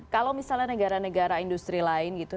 kalau misalnya negara negara industri lain gitu